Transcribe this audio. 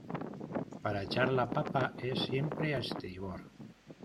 para echar la papa es siempre a estribor